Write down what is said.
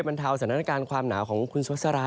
บรรเทาสถานการณ์ความหนาวของคุณสุสรา